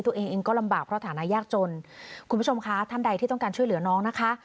ตัวเองเองก็ลำบากเพราะฐานะยากจนคุณผู้ชมคะท่านใดที่ต้องการช่วยเหลือน้องนะคะ